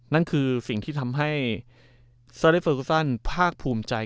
นั่นคือสิ่งที่ทำให้ซาเลเฟอร์กูซันภาคภูมิใจ